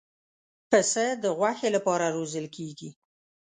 پسه د غوښې لپاره روزل کېږي.